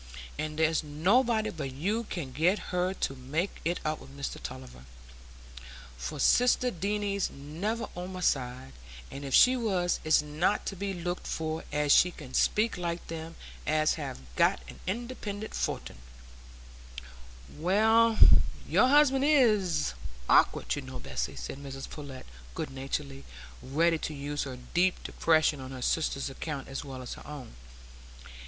And there's nobody but you can get her to make it up with Mr Tulliver, for sister Deane's never o' my side, and if she was, it's not to be looked for as she can speak like them as have got an independent fortin." "Well, your husband is awk'ard, you know, Bessy," said Mrs Pullet, good naturedly ready to use her deep depression on her sister's account as well as her own.